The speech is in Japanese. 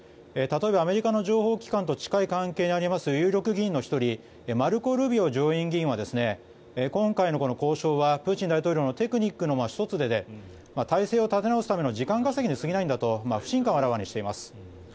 例えばアメリカの情報機関と近い関係にある有力議員のマルコ・ルビオ上院議員は今回のこの交渉はプーチン大統領のテクニックの１つで態勢を立て直すための時間稼ぎに過ぎないんだと不信感をあらわにしています。